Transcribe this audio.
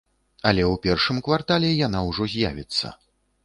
Але ў першым квартале яна ўжо з'явіцца.